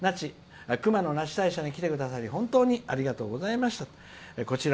熊野那智大社に来ていただき本当にありがとうございました」。